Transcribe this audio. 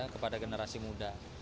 kepada generasi muda